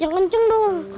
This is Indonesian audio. jangan kenceng kenceng dong